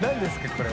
これ。